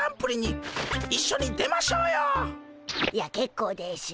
いやけっこうでしゅ。